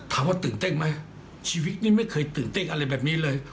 ถามว่าตื่นเต้นไหมชีวิตนี่ไม่เคยตื่นเต้นอะไรแบบนี้เลย